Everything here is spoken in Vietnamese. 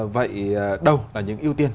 vậy đâu là những ưu tiên